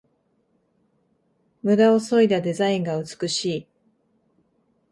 ムダをそいだデザインが美しい